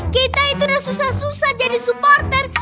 kita itu udah susah susah jadi supporter